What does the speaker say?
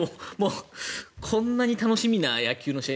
こんなに楽しみな野球の試合